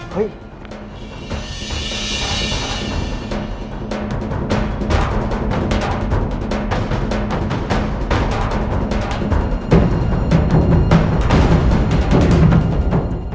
เฮ้ย